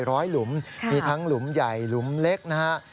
หลุมมีทั้งหลุมใหญ่หลุมเล็กนะฮะ